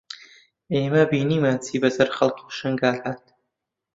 ئێمە بینیمان چ بەسەر خەڵکی شنگال هات